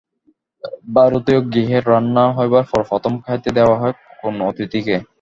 ভারতীয় গৃহে রান্না হইবার পর প্রথম খাইতে দেওয়া হয় কোন অতিথিকে।